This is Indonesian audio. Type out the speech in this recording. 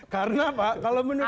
karena pak kalau bener